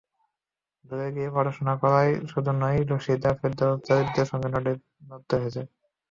দূরে গিয়ে পড়াশোনা করাই শুধু নয়, রাশিদা ফেরদৌসকে দারিদ্র্যের সঙ্গে লড়তে হয়েছে।